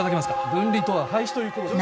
「分離」とは廃止ということですか？